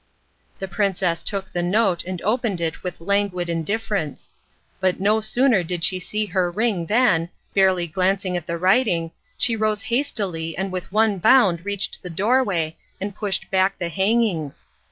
The princess took the note and opened it with languid indifference. But no sooner did she see her ring than, barely glancing at the writing, she rose hastily and with one bound reached the doorway and pushed back the hangings.